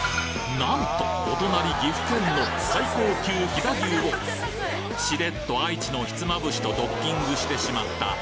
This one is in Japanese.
なんと、お隣、岐阜県の最高級飛騨牛をしれっと愛知のひつまぶしとドッキングしてしまった。